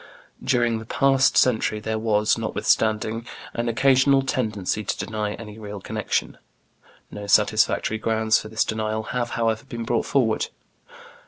During the past century there was, notwithstanding, an occasional tendency to deny any real connection. No satisfactory grounds for this denial have, however, been brought forward.